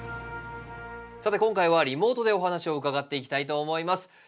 さて今回はリモートでお話を伺っていきたいと思います。